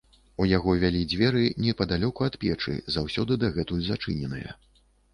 У яго вялі дзверы непадалёку ад печы, заўсёды дагэтуль зачыненыя.